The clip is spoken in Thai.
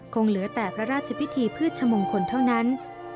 คงเหลือแต่พระราชพิธีพืชชมงคลเท่านั้น